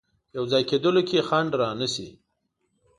یو ځای کېدلو کې ځنډ رانه شي.